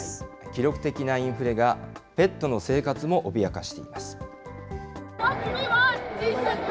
記録的なインフレが、ペットの生活も脅かしています。